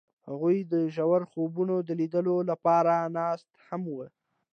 هغوی د ژور خوبونو د لیدلو لپاره ناست هم وو.